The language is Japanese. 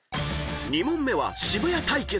［２問目は渋谷対決］